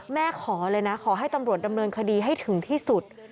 ขอเลยนะขอให้ตำรวจดำเนินคดีให้ถึงที่สุด